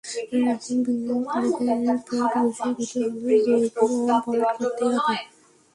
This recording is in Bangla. এখন বিনিয়োগকারীদের প্লট বুঝিয়ে দিতে হলে তো এগুলো ভরাট করতেই হবে।